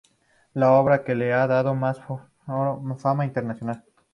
Es la obra que le ha dado más fama internacional.